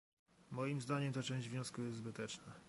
Moim zdaniem ta część wniosku jest zbyteczna